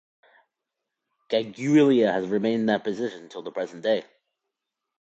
Gagulia has remained in that position till the present day.